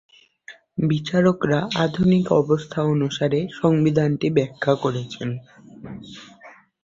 বিচারকরা আধুনিক অবস্থা অনুসারে সংবিধানটি ব্যাখা করেছেন।